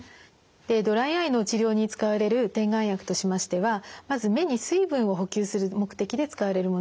ドライアイの治療に使われる点眼薬としましてはまず目に水分を補給する目的で使われるものがあります。